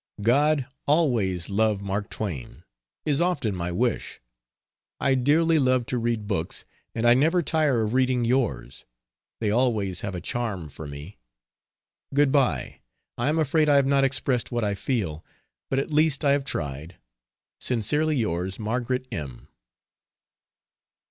"God always love Mark Twain!" is often my wish. I dearly love to read books, and I never tire of reading yours; they always have a charm for me. Good bye, I am afraid I have not expressed what I feel. But at least I have tried. Sincerely yours. MARGARET M.